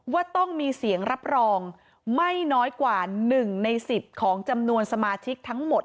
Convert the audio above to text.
ว่าต้องมีเสียงรับรองไม่น้อยกว่า๑ใน๑๐ของจำนวนสมาชิกทั้งหมด